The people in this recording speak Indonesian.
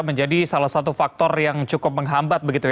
menjadi salah satu faktor yang cukup menghambat